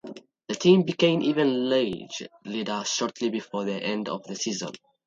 The team became even league leader shortly before the end of the season.